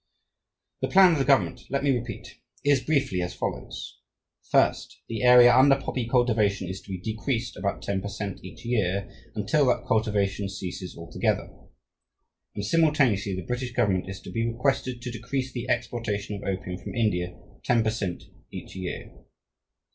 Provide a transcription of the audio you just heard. The plan of the government, let me repeat, is briefly as follows: First, the area under poppy cultivation is to be decreased about ten per cent. each year, until that cultivation ceases altogether; and simultaneously the British government is to be requested to decrease the exportation of opium from India ten per cent. each year.